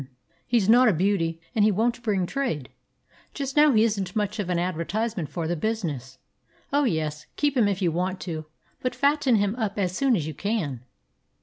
He's not a beauty, and he won't bring trade. Just now he isn't much of an advertisement for the business. Oh, yes, keep him if you want to, but fatten him up as soon as you can."